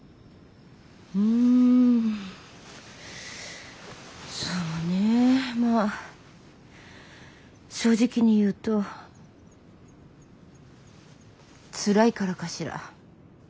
んそうねぇまぁ正直に言うとツラいからかしら。